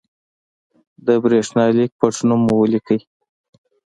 د برېښنالېک پټنوم مو ولیکئ.